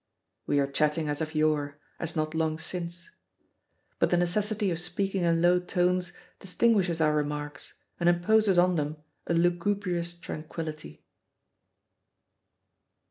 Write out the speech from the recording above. We are chatting as of yore, as not long since. But the necessity of speaking in low tones distinguishes our remarks and imposes on them a lugubrious tranquillity.